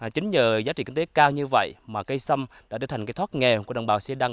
chính nhờ giá trị kinh tế cao như vậy mà cây sâm đã trở thành cái thoát nghèo của đồng bào xê đăng